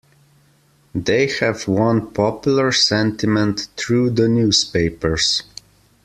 They have won popular sentiment through the newspapers.